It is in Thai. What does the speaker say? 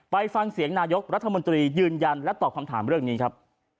ไปฟังเสียงนายกรัฐมนตรียืนยันและตอบคำถามเรื่องนี้ครับ